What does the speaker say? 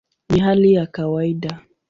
Ni hali ya kawaida".